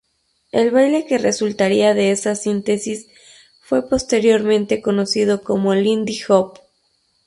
El baile que resultaría de esa síntesis fue posteriormente conocido como Lindy Hop.